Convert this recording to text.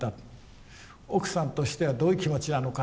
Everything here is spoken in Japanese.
奥さんとしてはどういう気持ちなのか。